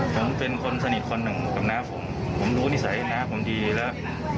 ผมเป็นคนสนิทคนหนึ่งกับน้าผมผมรู้นิสัยน้าผมดีแล้ว